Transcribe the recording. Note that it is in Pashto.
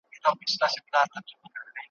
بیا په شیطانه په مکاره ژبه ,